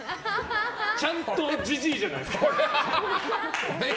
ちゃんとじじいじゃないですか。